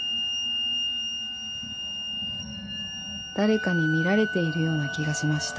［誰かに見られているような気がしました］